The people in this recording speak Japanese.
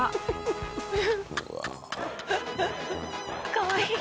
かわいい。